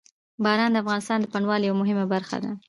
باران د افغانستان د بڼوالۍ یوه مهمه برخه ده.